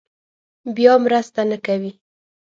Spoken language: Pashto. بیا مرسته نه کوي.